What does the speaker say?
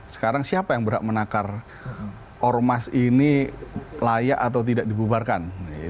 sekarang siapa yang berhak menakar ormas ini layak atau tidak dibubarkan